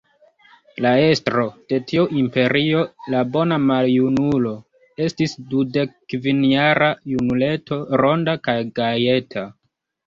La estro de tiu imperio, la bona maljunulo, estis dudekkvinjara junuleto, ronda kaj gajeta.